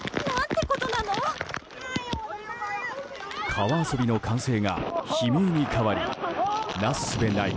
川遊びの歓声が悲鳴に変わりなすすべない